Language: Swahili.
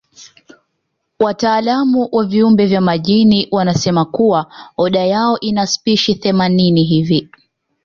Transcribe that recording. Wataalamu wa viumbe vya majini wanasema kuwa oda yao ina spishi themanini hivi